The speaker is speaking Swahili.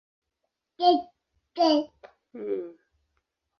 Ufugaji ni muhimu.